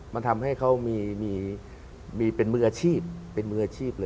มันทำให้เขาเป็นมืออาชีพ